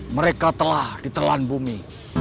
mereka telah ditelan bumi